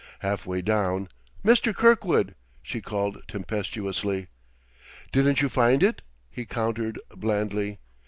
Half way down, "Mr. Kirkwood!" she called tempestuously. "Didn't you find it?" he countered blandly.